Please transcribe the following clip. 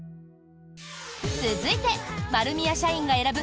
続いて丸美屋社員が選ぶ